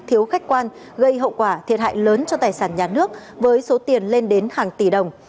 thiếu khách quan gây hậu quả thiệt hại lớn cho tài sản nhà nước với số tiền lên đến hàng tỷ đồng